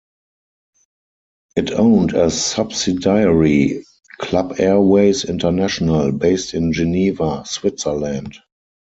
It owned a subsidiary, Club Airways International, based in Geneva, Switzerland.